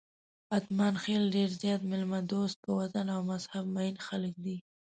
اتمانخېل ډېر زیات میلمه دوست، په وطن او مذهب مېین خلک دي.